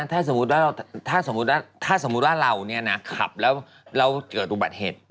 ถ้าสมมติว่าเราเนี่ยนะขับแล้วเราเจอตัวบาทเหตุ